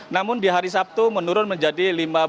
namun di hari sabtu menurun menjadi lima belas